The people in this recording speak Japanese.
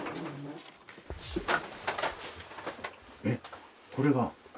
えっこれが？